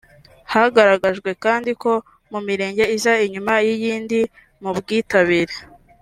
Hagaragajwe kandi ko mu mirenge iza inyuma y’iyindi mu bwitabire